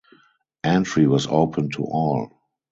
Entry was open to all.